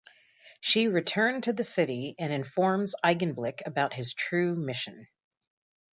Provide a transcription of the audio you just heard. She return to the City and informs Eigenblick about his true mission.